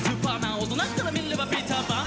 大人から見ればピーターパン？